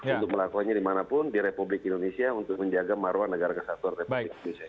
untuk melakukannya dimanapun di republik indonesia untuk menjaga maruah negara kesatuan republik indonesia